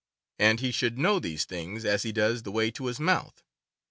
And he should know these things as he does the way to his mouth.